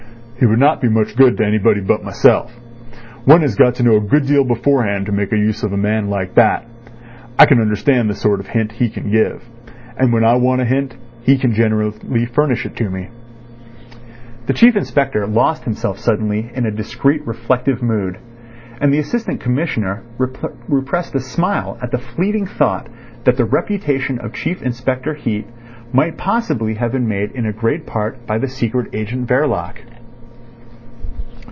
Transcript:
"He would not be much good to anybody but myself. One has got to know a good deal beforehand to make use of a man like that. I can understand the sort of hint he can give. And when I want a hint he can generally furnish it to me." The Chief Inspector lost himself suddenly in a discreet reflective mood; and the Assistant Commissioner repressed a smile at the fleeting thought that the reputation of Chief Inspector Heat might possibly have been made in a great part by the Secret Agent Verloc.